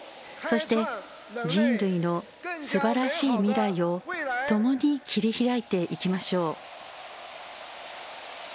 そして、人類のすばらしい未来をともに切り開いていきましょう。